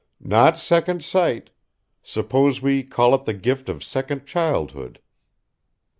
"Not second sight. Suppose we call it the gift of second childhood."